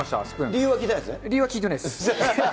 理由は聞いてないです。